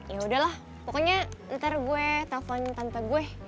yaudah lah pokoknya ntar gue telepon tante gue